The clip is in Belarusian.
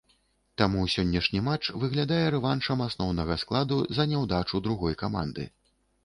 Таму сённяшні матч выглядае рэваншам асноўнага складу за няўдачу другой каманды.